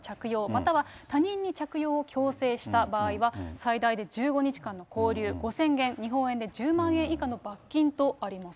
または他人に着用を強制した場合は、最大で１５日間の拘留、５０００元、日本円で１０万円以下の罰金とあります。